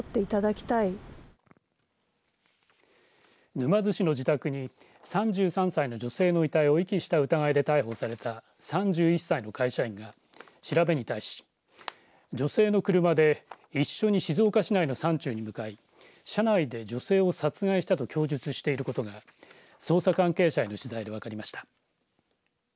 沼津市の自宅に３３歳の女性の遺体を遺棄した疑いで逮捕された３１歳の会社員が調べに対し女性の車で一緒に静岡市内の山中に向かい車内で女性を殺害したと供述していることが捜査関係者への取材で分かりました。